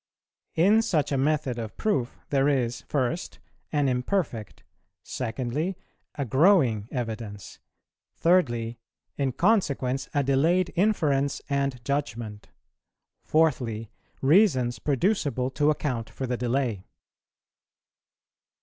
In such a method of proof there is, first, an imperfect, secondly, a growing evidence, thirdly, in consequence a delayed inference and judgment, fourthly, reasons producible to account for the delay.